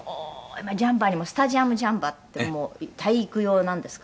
今、ジャンパーにもスタジアムジャンパーって体育用なんですか？